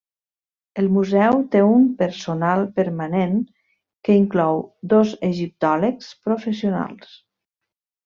El museu té un personal permanent, que inclou dos egiptòlegs professionals.